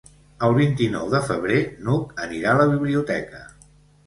El vint-i-nou de febrer n'Hug anirà a la biblioteca.